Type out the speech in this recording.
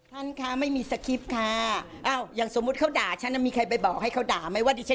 แรงแค่นั่นเองอู๋ทำเป็นเรื่องใหญ่โต